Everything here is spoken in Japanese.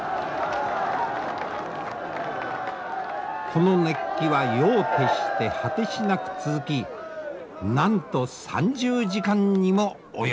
この熱気は夜を徹して果てしなく続きなんと３０時間にも及びます。